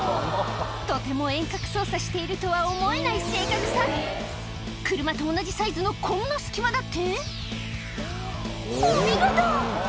とても遠隔操作してるとは思えない正確さ車と同じサイズのこんな隙間だってお見事！